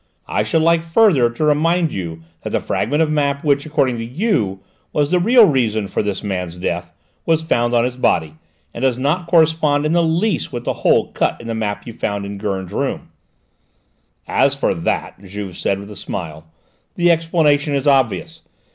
I should like, further, to remind you that the fragment of map which, according to you, was the real reason for this man's death, was found on his body, and does not correspond in the least with the hole cut in the map you found in Gurn's rooms." "As for that," Juve said with a smile, "the explanation is obvious.